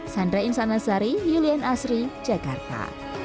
sandra insanasari julian asri jakarta